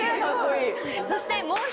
そして。